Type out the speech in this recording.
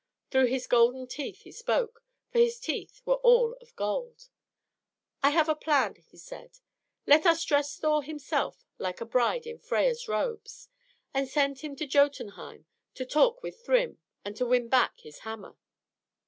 Through his golden teeth he spoke, for his teeth were all of gold. "I have a plan," he said. "Let us dress Thor himself like a bride in Freia's robes, and send him to Jotunheim to talk with Thrym and to win back his hammer."